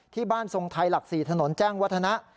ทรงไทยหลัก๔ถนนแจ้งวัฒนะ